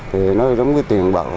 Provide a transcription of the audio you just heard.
thì nó giống như tiền bật